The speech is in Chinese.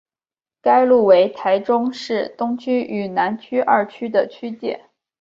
该路为台中市东区与南区二区的区界。